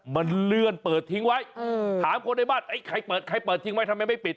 มันเลื่อนเปิดทิ้งไว้ถามคนในบ้านไอ้ใครเปิดใครเปิดทิ้งไว้ทำไมไม่ปิด